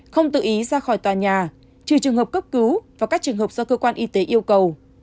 không tự ý ra khỏi tòa nhà trừ trường hợp cấp cứu và các trường hợp do cơ quan y tế yêu cầu